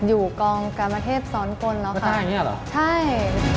ดูเคยรอตั้งแต่